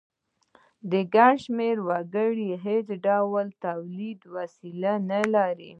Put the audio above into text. ګڼ شمیر وګړي هیڅ ډول تولیدي وسیلې نه لري.